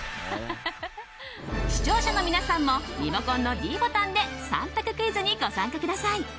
視聴者の皆さんもリモコンのｄボタンで３択クイズにご参加ください。